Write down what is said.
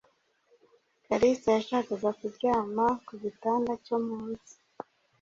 Kalisa yashakaga kuryama ku gitanda cyo munsi .